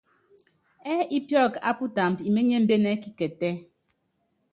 Ɛ́ɛ ípíɔk á putámb, iményémbén ɛ́ kikɛtɛ́.